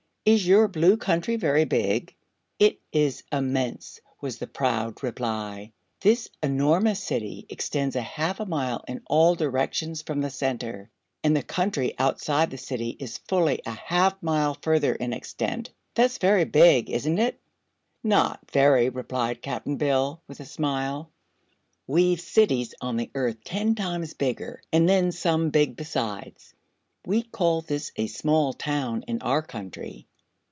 Is your Blue Country very big?" "It is immense," was the proud reply. "This enormous City extends a half mile in all directions from the center, and the country outside the City is fully a half mile further in extent. That's very big, isn't it?" "Not very," replied Cap'n Bill, with a smile. "We've cities on the Earth ten times bigger an' then some big besides. We'd call this a small town in our country."